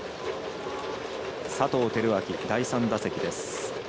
佐藤輝明、第３打席です。